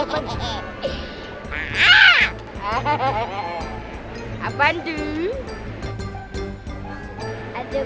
sejuk pekerjaan mogok gitu anjing